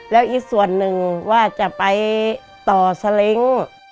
แล้วอีกส่วนหนึ่งว่าจะไปต่อสเล้ง